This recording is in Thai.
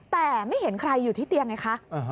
แต่ไม่เห็นใครอยู่ที่เตียงไงคะ